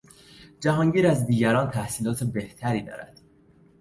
جهانگیر از دیگران تحصیلات بهتری دارد.